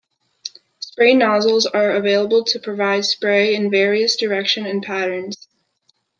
Spray nozzles are available to provide spray in various directions and patterns.